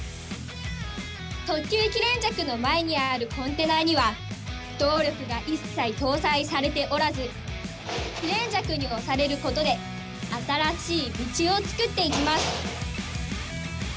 特急キレンジャクの前にあるコンテナには動力が一切搭載されておらずキレンジャクに押されることで新しい道を作っていきます。